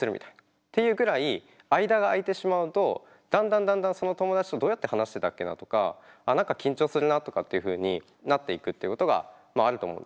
っていうくらい間が空いてしまうとだんだんだんだんその友達とどうやって話してたっけなとか何か緊張するなとかっていうふうになっていくっていうことがあると思うんですよね。